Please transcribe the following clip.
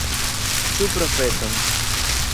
Ĉu profeton?